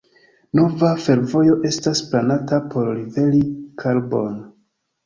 Nova fervojo estas planata por liveri karbon.